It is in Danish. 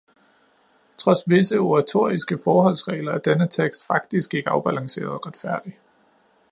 Trods visse oratoriske forholdsregler er denne tekst faktisk ikke afbalanceret og retfærdig.